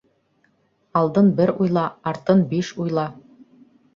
Алдын бер уйла, артын биш уйла.